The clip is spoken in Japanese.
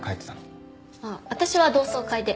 あっ私は同窓会で。